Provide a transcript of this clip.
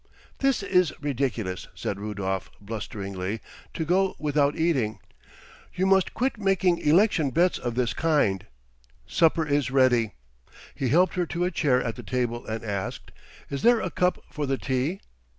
"This is ridiculous," said Rudolf, blusteringly, "to go without eating. You must quit making election bets of this kind. Supper is ready." He helped her to a chair at the table and asked: "Is there a cup for the tea?"